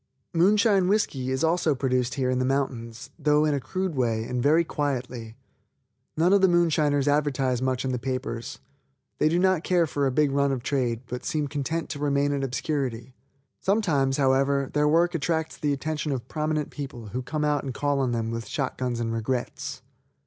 Moonshine whisky is also produced here in the mountains, though in a crude way, and very quietly. None of the moonshiners advertise much in the papers. They do not care for a big run of trade, but seem content to remain in obscurity. Sometimes, however, their work attracts the attention of prominent people who come out and call on them with shot guns and regrets.